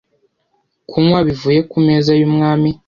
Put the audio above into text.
kunywa bivuye ku meza y’umwami